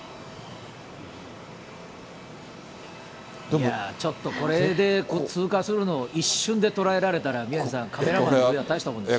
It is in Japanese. いや、ちょっとこれで通過するの、一瞬で捉えられたら、宮根さん、カメラマンの腕は大したもんですよ。